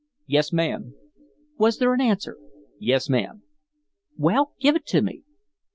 "Yes, ma'am." "Was there an answer?" "Yes, ma'am." "Well, give it to me."